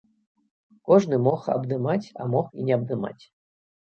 Кожны мог абдымаць, а мог і не абдымаць.